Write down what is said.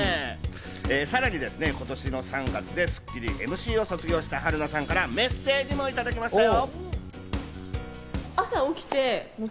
さらに今年の３月でスッキリＭＣを卒業された春菜さんからメッセージもいただきましたよ。